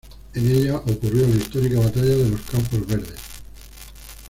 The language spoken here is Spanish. En ella ocurrió la histórica Batalla de los Campos Verdes.